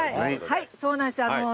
はいそうなんです。